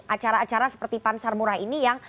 acara acara seperti pansar murah ini yang